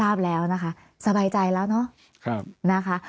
ทราบแล้วนะคะสบายใจแล้วเนาะนะคะ